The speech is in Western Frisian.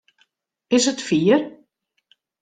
Is it fier?